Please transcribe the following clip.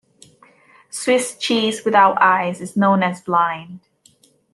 Swiss cheese without eyes is known as "blind".